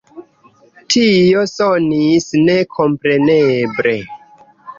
Tio sonis ne kompreneble.